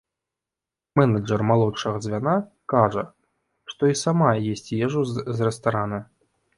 Менеджар малодшага звяна кажа, што і сама есць ежу з рэстарана.